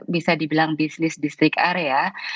bisa dibilang bisnis district area